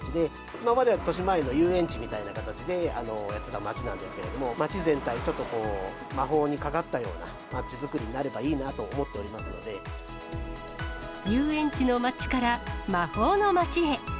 今までは、としまえんの遊園地みたいな形でやってた街なんですけれども、街全体、ちょっとこう、魔法にかかったような街づくりになればいいなと思っておりますの遊園地の街から、魔法の街へ。